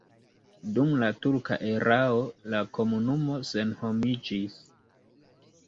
Dum la turka erao la komunumo senhomiĝis.